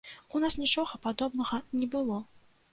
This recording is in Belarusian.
У нас нічога падобнага не было.